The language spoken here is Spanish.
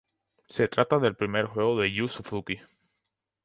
Se trata del primer juego de Yū Suzuki.